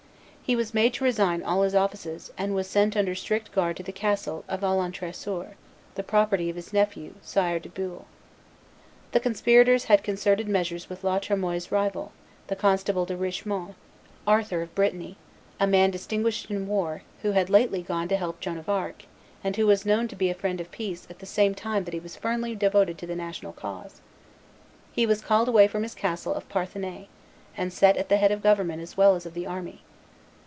He was made to resign all his offices, and was sent under strict guard to the castle of Alontresor, the property of his nephew, Sire de Beuil. The conspirators had concerted measures with La Tremoille's rival, the constable De Richemont, Arthur of Brittany, a man distinguished in war, who had lately gone to help Joan of Arc, and who was known to be a friend of peace at the same time that he was firmly devoted to the national cause. He was called away from his castle of Parthenay, and set at the head of the government as well as of the army.